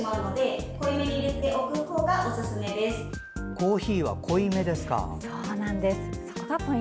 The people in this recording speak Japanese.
コーヒーは濃いめですか。